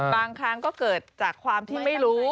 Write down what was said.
บางครั้งก็เกิดจากความที่ไม่รู้